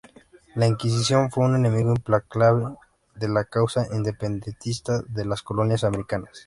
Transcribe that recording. La Inquisición fue un enemigo implacable de la causa independentista de las colonias americanas.